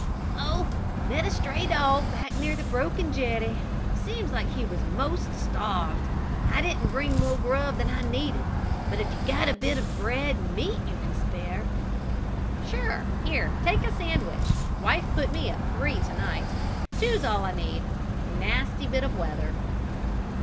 "Oh, met a stray dog back near the broken jetty. Seems like he was 'most starved. I didn't bring more grub than I needed, but if you've got a bit of bread and meat you can spare " "Sure! Here! Take a sandwich. Wife put me up three to night. Two's all I need. Nasty bit of weather!"